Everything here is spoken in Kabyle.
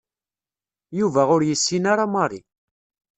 Yuba ur yessin ara Mary.